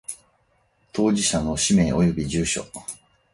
当事者の氏名及び住所